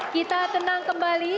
kita tenang kembali